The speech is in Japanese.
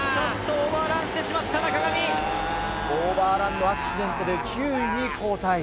オーバーランのアクシデントで９位に後退。